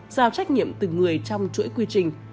giao trách nhiệm từ người trong chuỗi quy trình